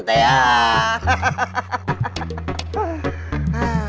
tik tidur lagi